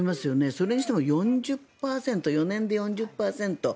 それにしても４０％４年で４０％